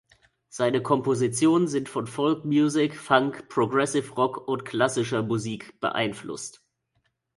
Seine Kompositionen sind von Folk Music, Funk, Progressive Rock und klassischer Musik beeinflusst.